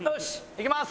いきます！